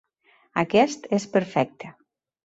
Aquest és perfecte.